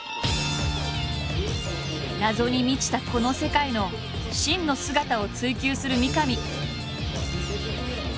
謎に満ちたこの世界の真の姿を追求する三上。